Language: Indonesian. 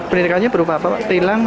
penindakannya berupa apa pak hilang atau